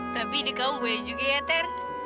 tapi ini kamu buang juga ya ter